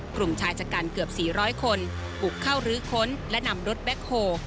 กลุ่มชายชะกันเกือบ๔๐๐คนบุกเข้ารื้อค้นและนำรถแบ็คโฮ